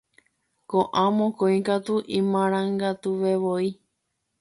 Ko'ã mokõi katu imarangatuvevoi.